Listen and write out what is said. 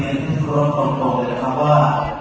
เรียนร้องความโกงเลยนะครับว่า